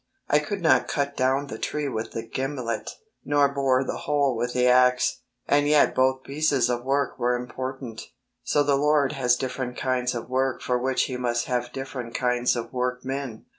I could not cut down the tree with the gimlet, nor bore the hole with the axe, and yet both pieces of work were important. So the Lord has different kinds of work for which He must have different kinds of workmen.